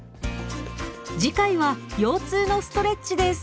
次回は腰痛のストレッチです。